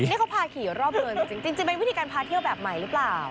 นี่เขาพาขี่รอบเนินจริงเป็นวิธีการพาเที่ยวแบบใหม่หรือเปล่า